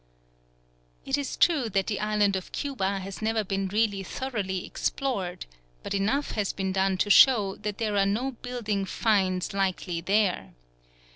It is true that the island of Cuba has never been really thoroughly explored; but enough has been done to show that there are no building "finds" likely there.